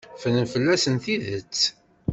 Ffren fell-asen tidet.